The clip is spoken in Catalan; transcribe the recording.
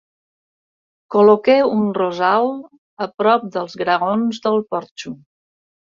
Col·loqueu un rosal a prop dels graons del porxo.